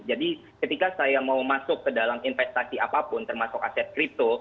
jadi ketika saya mau masuk ke dalam investasi apapun termasuk aset kripto